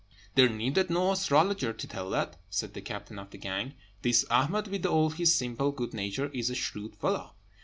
"There needed no astrologer to tell that," said the captain of the gang. "This Ahmed, with all his simple good nature, is a shrewd fellow.